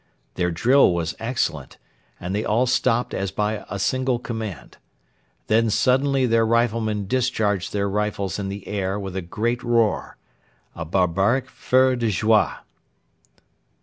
Their drill was excellent, and they all stopped as by a single command. Then suddenly their riflemen discharged their rifles in the air with a great roar a barbaric feu de joie.